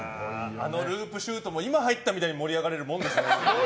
あのループシュートも今入ったみたいに盛り上がれるもんですね。